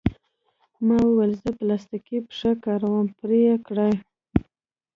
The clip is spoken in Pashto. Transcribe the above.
ما وویل: زه پلاستیکي پښه کاروم، پرې یې کړئ.